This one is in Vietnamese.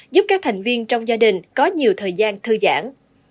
giúp các thành viên trong gia đình có nhiều thời gian thư giãn